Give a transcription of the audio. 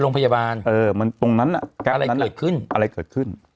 ถึงหกโครงที่ไปโรงพยาบาลอะไรเกิดขึ้น